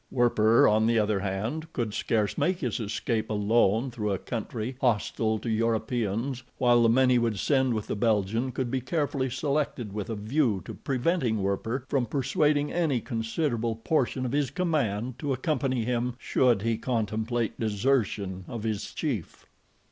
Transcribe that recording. Werper, on the other hand, could scarce make his escape alone through a country hostile to Europeans while the men he would send with the Belgian could be carefully selected with a view to preventing Werper from persuading any considerable portion of his command to accompany him should he contemplate desertion of his chief.